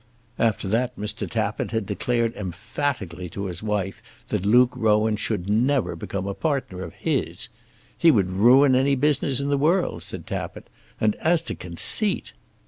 After that Mr. Tappitt had declared emphatically to his wife that Luke Rowan should never become a partner of his. "He would ruin any business in the world," said Tappitt. "And as to conceit!"